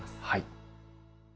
はい。